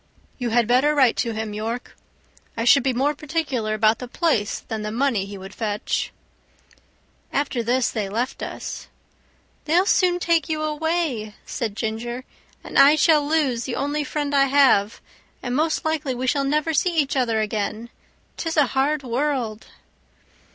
"You had better write to him, York. I should be more particular about the place than the money he would fetch." After this they left us. "They'll soon take you away," said Ginger, "and I shall lose the only friend I have, and most likely we shall never see each other again. 'Tis a hard world!"